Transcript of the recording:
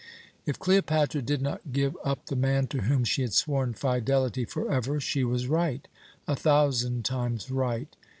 If Cleopatra did not give up the man to whom she had sworn fidelity forever, she was right a thousand times right!